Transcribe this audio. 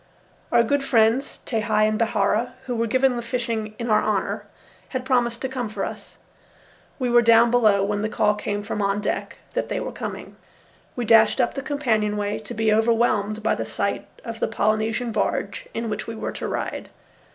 Our good friends, Tehei and Bihaura, who were giving the fishing in our honour, had promised to come for us. We were down below when the call came from on deck that they were coming. We dashed up the companionway, to be overwhelmed by the sight of the Polynesian barge in which we were to ride.